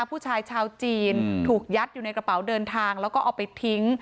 ผู้ชายชาวจีนถูกยัดอยู่ในกระเป๋าเดินทางแล้วก็เอาไปทิ้ง